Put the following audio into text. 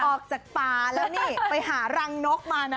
ออกจากป่าแล้วนี่ไปหารังนกมานะ